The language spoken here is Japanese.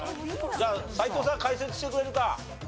じゃあ斎藤さん解説してくれるか？